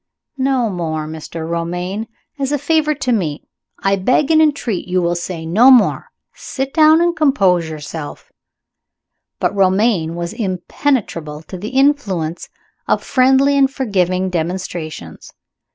"No more, Mr. Romayne! As a favor to Me, I beg and entreat you will say no more. Sit down and compose yourself." But Romayne was impenetrable to the influence of friendly and forgiving demonstrations.